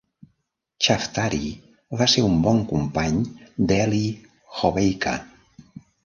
Chaftari va ser un bon company d'Elie Hobeika.